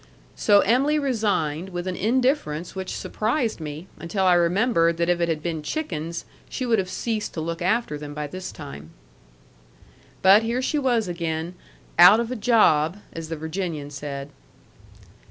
So Em'ly resigned with an indifference which surprised me, until I remembered that if it had been chickens, she would have ceased to look after them by this time. But here she was again "out of a job," as the Virginian said.